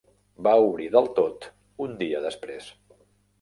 Va obrir del tot un dia després